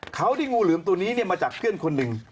เขาได้งูเหลือมตัวนี้มาจากเพื่อนคนหนึ่ง